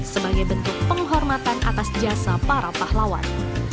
sebagai bentuk penghormatan atas jasa para pahlawan